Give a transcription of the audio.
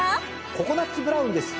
ココナッツブラウンです。